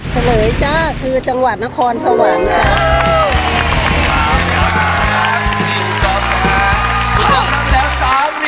เฉลยจ้าคือจังหวัดนครสวรรค์ค่ะ